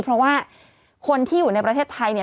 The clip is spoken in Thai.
เพราะว่าคนที่อยู่ในประเทศไทยเนี่ย